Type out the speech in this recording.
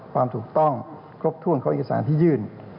ความถูกต้องครบถ้วนของเอกสารที่ยื่น